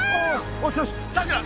よしよしさくら